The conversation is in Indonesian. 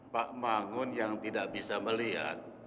pak mangun yang tidak bisa melihat